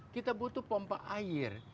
kita butuh pompa air